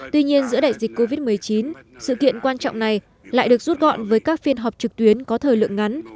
tuy nhiên giữa đại dịch covid một mươi chín sự kiện quan trọng này lại được rút gọn với các phiên họp trực tuyến có thời lượng ngắn